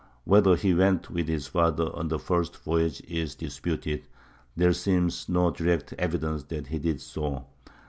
Whether he went with his father on the first voyage is disputed; there seems no direct evidence that he did so.